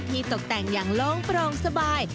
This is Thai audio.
ตกแต่งอย่างโล่งปรองสบาย